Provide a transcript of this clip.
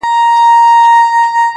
• یوه ورځ به دې پخپله بندیوان وي -